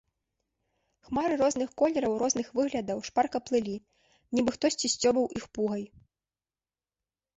Хмары розных колераў, розных выглядаў шпарка плылі, нібы хтосьці сцёбаў іх пугай.